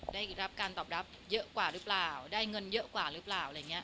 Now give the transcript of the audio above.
ได้รับการตอบรับเยอะกว่าหรือเปล่าได้เงินเยอะกว่าหรือเปล่า